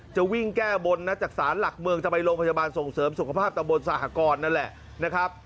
จะวิ่งแก้บนนะจากศาลหลักเมืองจะไปโรงพยาบาลส่งเสริมสุขภาพตะบนสหกรนั่นแหละนะครับ